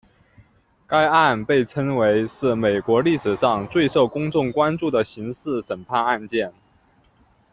该案被称为是美国历史上最受公众关注的刑事审判案件。